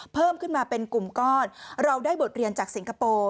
เพิ่มขึ้นมาเป็นกลุ่มก้อนเราได้บทเรียนจากสิงคโปร์